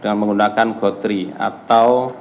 dengan menggunakan gotri atau